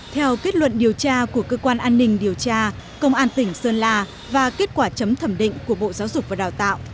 theo kết luận điều tra của cơ quan an ninh điều tra công an tỉnh sơn la và kết quả chấm thẩm định của bộ giáo dục và đào tạo